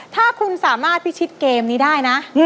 ถ้าคุณสามารถพิชิตเกมนี้ได้นะ